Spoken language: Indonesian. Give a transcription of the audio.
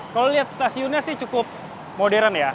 kalau lihat stasiunnya sih cukup modern ya